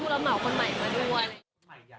มันเสียสุขภาพสินด้วย